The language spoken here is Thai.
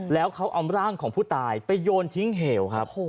แล้วเขาเอาร่างของผู้ตายไปโยนทิ้งเหวครับ